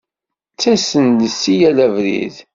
Ttasen-d si yal abrid.